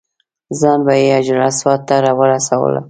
ځان به یې حجر اسود ته ورسولو.